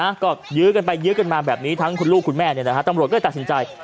นะก็ยื้อกันไปยื้อกันมาแบบนี้ทั้งคุณลูกคุณแม่เนี่ยนะฮะตำรวจก็เลยตัดสินใจ